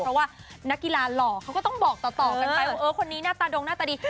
เพราะว่านักกีฬาหล่อเขาก็ต้องบอกต่อกันไปว่าเออคนนี้หน้าตาดงหน้าตาดี